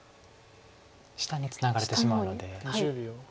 下にツナがれてしまうので。